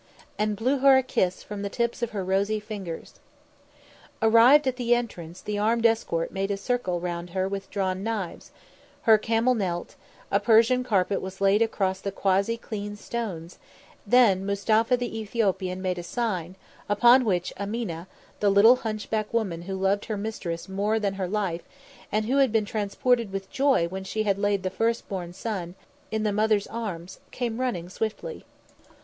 and blew her a kiss from the tips of her rosy fingers. Arrived at the entrance, the armed escort made a circle round her with drawn knives; her camel knelt; a Persian carpet was laid across the quasi clean stones; then Mustapha the Ethiopian made a sign, upon which Ameena, the little hunchback woman who loved her mistress more than her life and who had been transported with joy when she had laid the first born, the son, in the mother's arms, came running swiftly.